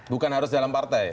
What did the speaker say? bukan harus dalam partai